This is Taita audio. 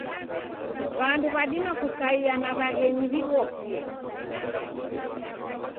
Wandu wadima kukaia na waghenyi wighokie.